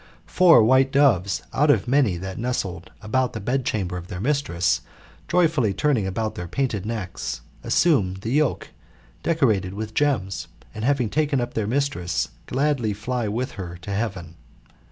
Four white doves, out of many that nestled about the bedchamber of their mistress, joyfully turnTngaboilt their painted necks, assume the yoke, decorated wirtr gems, and, having taken up their mistress, gladly fiy'With her to heaven.